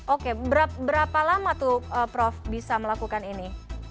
oke berapa lama tuh prof bisa melakukan ini